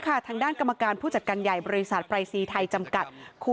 ข้าคือครัฐแหล้วเยี่ยมมากับ